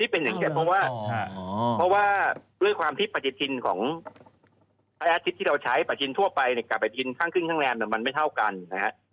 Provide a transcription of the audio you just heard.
เพราะว่าด้วยความที่ประจิตชินของไทยอาทิตย์ที่เราใช้ประจิตชินทั่วไปกับประจิตชินข้างขึ้นข้างแรมมันไม่เท่ากันนะครับ